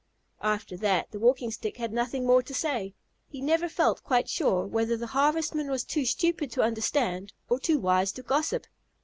After that the Walking Stick had nothing more to say. He never felt quite sure whether the Harvestman was too stupid to understand or too wise to gossip.